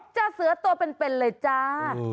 เจอเสือตัวเป็นเลยจ้า